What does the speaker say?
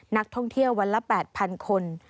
นักท่องเที่ยววันละ๘๐๐๐คน